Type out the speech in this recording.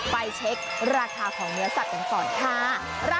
ไปเช็คราคาของเนื้อสัตว์กันก่อนค่ะ